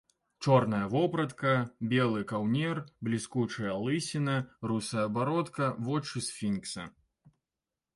Чорная вопратка, белы каўнер, бліскучая лысіна, русая бародка, вочы сфінкса.